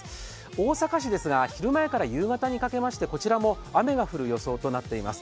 大阪市ですが昼前から夕方にかけましてこちらも雨が降る予想となっています。